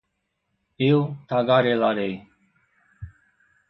eu tagarelarei